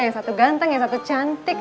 yang satu ganteng yang satu cantik